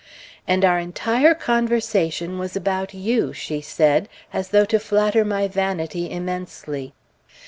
"And our entire conversation was about you," she said, as though to flatter my vanity immensely.